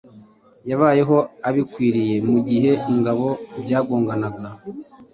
Yabayeho abikwiriyemugihe ingabo byagonganaga